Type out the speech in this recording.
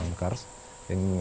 yang ketiga perangkutan kars